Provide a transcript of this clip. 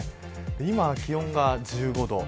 今、気温が１５度。